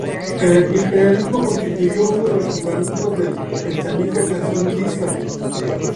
El antiimperialismo constituyó uno de los fundamentos del pensamiento tercermundista.